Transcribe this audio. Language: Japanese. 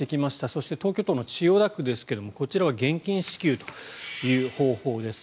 そして、東京都の千代田区ですがこちらは現金支給という方法です。